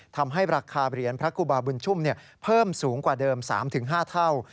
ทำให้ราคาเหรียญพระครูบาบุญชุ่มเพิ่มสูงกว่าเดิม๓๕เท่า